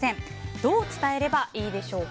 どう伝えればいいでしょうか。